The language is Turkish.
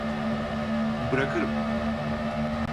Bırakırım.